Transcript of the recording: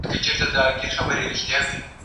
پلار دي د ږيري سره راته ولاړ و، ما ور نه کی.